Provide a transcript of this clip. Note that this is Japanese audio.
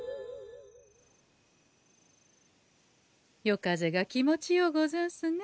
夜風が気持ちようござんすね。